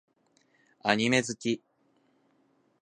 アニメ好き